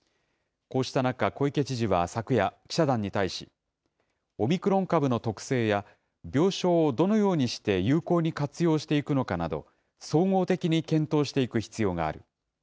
こうした中、小池知事は昨夜、記者団に対し、オミクロン株の特性や、病床をどのようにして有効に活用していくのかなど、総合的に検討していく必要がある。